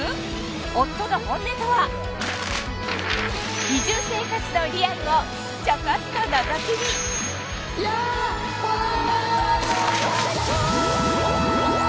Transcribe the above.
夫の本音とは移住生活のリアルをちょこっとのぞき見ヤッホー！